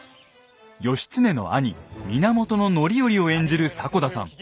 義経の兄源範頼を演じる迫田さん。